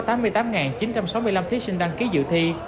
thí sinh đăng ký dự thi